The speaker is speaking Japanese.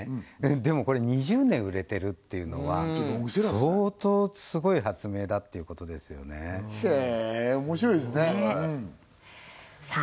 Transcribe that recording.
でもこれ２０年売れてるっていうのは相当すごい発明だっていうことですよねへえおもしろいですねねえさあ